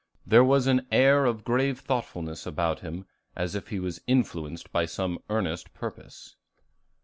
There was an air of grave thoughtfulness about him, as if he was influenced by some earnest purpose.